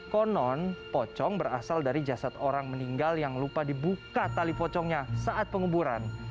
konon pocong berasal dari jasad orang meninggal yang lupa dibuka tali pocongnya saat penguburan